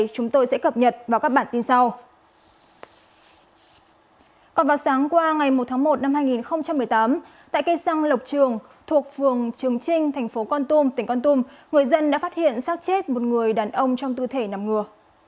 còn vào sáng qua ngày một tháng một năm hai nghìn một mươi tám tại cây xăng lộc trường thuộc phường trường trinh thành phố con tum tỉnh con tum người dân đã phát hiện sát chết một người đàn ông trong tư thể nằm ngừ